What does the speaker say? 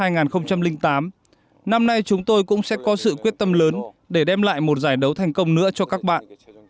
năm hai nghìn nay chúng tôi cũng sẽ có sự quyết tâm lớn để đem lại một giải đấu thành công nữa cho các bạn